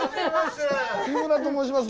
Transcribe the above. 日村と申します。